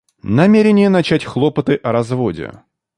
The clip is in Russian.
Намерение начать хлопоты о разводе.